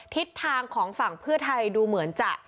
ทิศทางของฝั่งเพื่อไทยดูเหมือนจะ